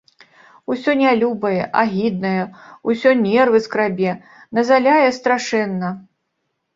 Усё нялюбае, агіднае, усё нервы скрабе, назаляе страшэнна.